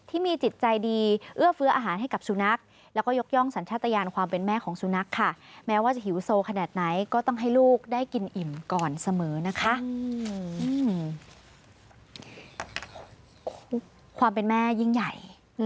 ที่มีจิตใจดีเอื้อเฟื้ออาหารให้